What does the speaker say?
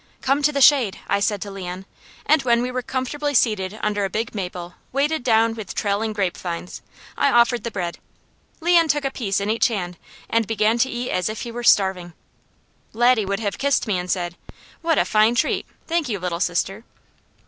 "Come to the shade," I said to Leon, and when we were comfortably seated under a big maple weighted down with trailing grapevines, I offered the bread. Leon took a piece in each hand and began to eat as if he were starving. Laddie would have kissed me and said: "What a fine treat! Thank you, Little Sister."